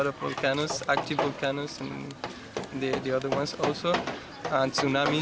dan kita tahu bagaimana berfotor saat sesuatu terjadi